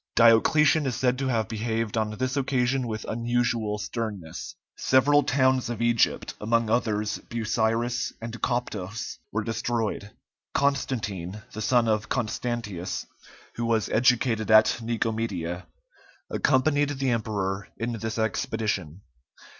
Diocletian is said to have behaved on this occasion with unusual sternness. Several towns of Egypt, among others Busiris and Coptos, were destroyed. Constantine, the son of Constantius, who was educated at Nicomedia, accompanied the emperor in this expedition.